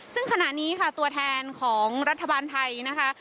ซึ่งขณะนี้ค่ะตัวแทนของรัฐบาลไทยนะคะ